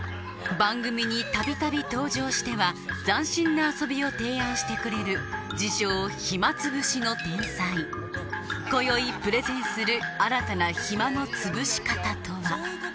番組にたびたび登場しては斬新な遊びを提案してくれる自称暇つぶしの天才こよいプレゼンする新たな暇のつぶし方とは？